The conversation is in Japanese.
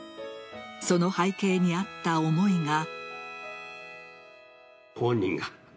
その背景にあった思いが。